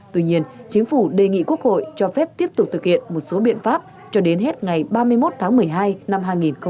tuy nhiên chính phủ đề nghị quốc hội cho phép tiếp tục thực hiện một số biện pháp cho đến hết ngày ba mươi một tháng một mươi hai năm hai nghìn hai mươi